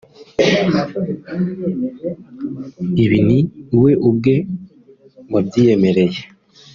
Ibi ni we ubwe wabyiyemereye